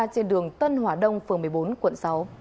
trên đường tân hòa đông phường một mươi bốn quận sáu